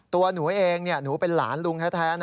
ตัวหนูเองหนูเป็นหลานลุงแท้